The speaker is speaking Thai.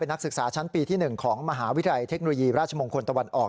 นักศึกษาชั้นปีที่๑ของมหาวิทยาลัยเทคโนโลยีราชมงคลตะวันออก